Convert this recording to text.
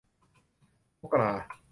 มกรา